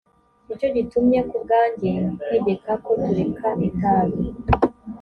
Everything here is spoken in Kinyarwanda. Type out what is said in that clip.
ni cyo gitumye ku bwanjye ntegeka ko tureka itabi.